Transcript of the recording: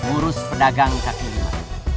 urus pedagang kaki lima